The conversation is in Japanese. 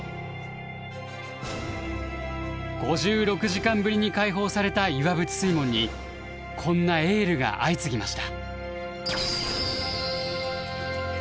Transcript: ５６時間ぶりに開放された岩淵水門にこんなエールが相次ぎました。